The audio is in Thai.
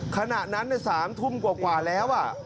ขณะนั้นในสามทุ่มกว่าแล้ว